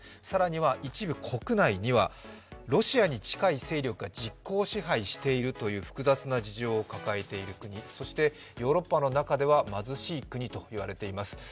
更には一部、国内にはロシアに近い勢力が実効支配しているという複雑な事情を抱えている国、そしてヨーロッパの中では貧しい国と言われています。